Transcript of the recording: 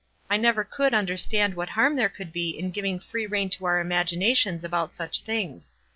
I never could understand what harm there could be in giving free rein to our imaixi nations about such things.